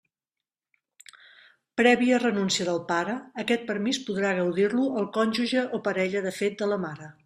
Prèvia renúncia del pare, aquest permís podrà gaudir-lo el cònjuge o parella de fet de la mare.